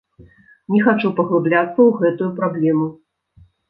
Не хачу паглыбляцца ў гэтую праблему.